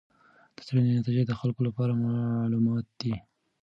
د څېړنې نتایج د خلکو لپاره معلوماتي دي.